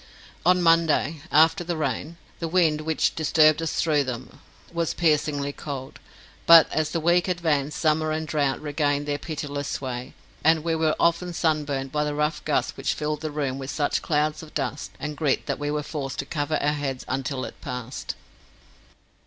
On Monday after the rain the wind, which disturbed us through them, was piercingly cold, but as the week advanced summer and drought regained their pitiless sway, and we were often sunburnt by the rough gusts which filled the room with such clouds of dust and grit that we were forced to cover our heads until it passed.